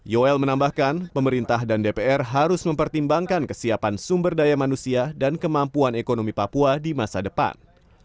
yoel menambahkan pemerintah dan dpr harus mempertimbangkan kesiapan sumber daya manusia dan kemampuan ekonomi papua di masa depan